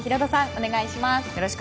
お願いします。